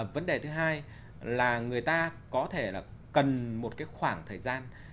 vấn đề thứ hai là người ta có thể là cần một khoảng thời gian